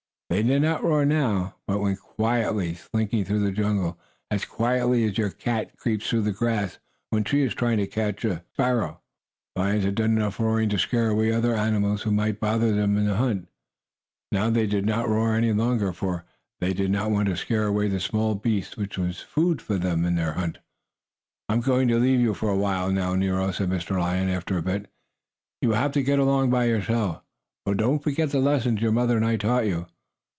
They did not roar now, but went quietly, slinking through the jungle as quietly as your cat creeps through the grass when she is trying to catch a sparrow. The lions had done enough roaring to scare away other animals who might bother them in their hunt. Now they did not roar any longer, for they did not want to scare away the smaller beasts which were food for them in their hunger. "I'm going to leave you for a while now, Nero," said Mr. Lion, after a bit. "You will have to get along by yourself. But don't forget the lessons your mother and I taught you."